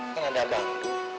kan ada abang